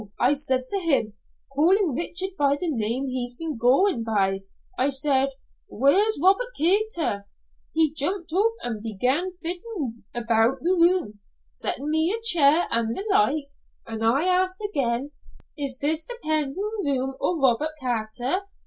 I said to him, calling Richard by the name he's been goin' by, I said, 'Whaur's Robert Kater?' He jumped up an' began figitin' aboot the room, settin' me a chair an' the like, an' I asked again, 'Is this the pentin' room o' Robert Kater?'